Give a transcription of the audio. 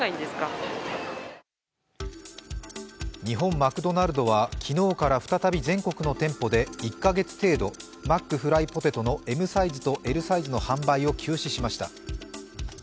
日本マクドナルドは昨日から再び全国の店舗で１カ月程度マックフライポテトのＭサイズとＬサイズの販売を休止しました。